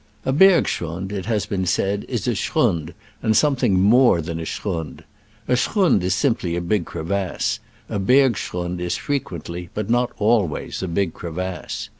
A bergschrund, it has been said, is a schrund and something more than a schrund. A schrund is simply a 'big crevasse : a bergschrund is frequently, but not always, a big crevasse.